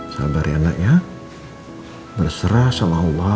sabari anaknya berserah selama allah ikhlas